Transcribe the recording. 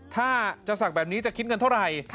ถ้าจะศักดิ์แบบนี้จะคิดเงินเท่าไหร่